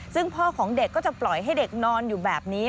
ซึ่งพ่อของเด็กก็จะปล่อยให้เด็กนอนอยู่แบบนี้